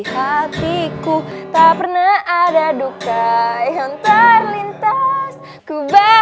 mau gak mau harus mau